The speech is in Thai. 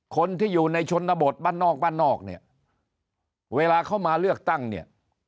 คนที่อยู่ในชนบทบ้านนอกบ้านนอกเนี่ยเวลาเขามาเลือกตั้งเนี่ย